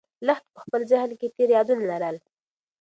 لښتې په خپل ذهن کې تېر یادونه لرل.